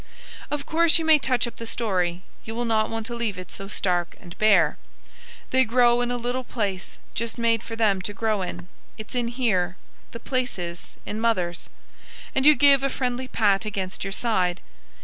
Of course you may touch up the story. You will not want to leave it so stark and bare. "They grow in a little place just made for them to grow in. It's in here, the place is, in mothers," and you give a friendly pat against your side.